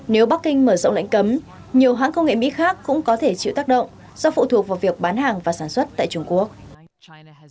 nếu bắc kinh mở rộng lệnh cấm nhiều hãng công nghệ mỹ khác cũng có thể chịu tác động do phụ thuộc vào việc bán hàng và sản xuất tại trung quốc